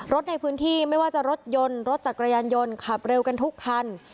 รถในพื้นที่ไม่ว่าจะรถยนต์รถจักรยานยนต์ขับเร็วกันทุกคัน